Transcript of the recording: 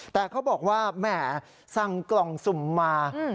แต่เขาบอกว่าแหมสั่งกล่องสุ่มมา